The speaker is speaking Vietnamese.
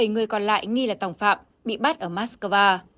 bảy người còn lại nghi là tòng phạm bị bắt ở moscow